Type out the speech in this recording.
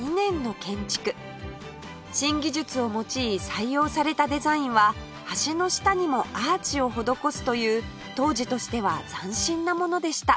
新技術を用い採用されたデザインは橋の下にもアーチを施すという当時としては斬新なものでした